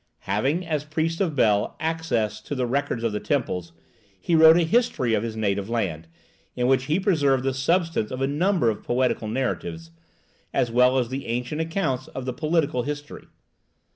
Having, as priest of Bel, access to the records of the temples, he wrote a history of his native land, in which he preserved the substance of a number of poetical narratives, as well as the ancient accounts of the political history.